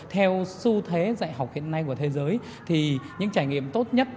theo xu thế dạy học hiện nay của thế giới thì những trải nghiệm tốt nhất